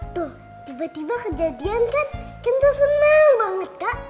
tuh tiba tiba kejadian kan kita senang banget kak